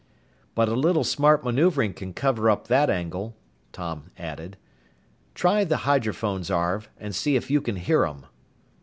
"But a little smart maneuvering can cover up that angle," Tom added. "Try the hydrophones, Arv, and see if you can hear 'em."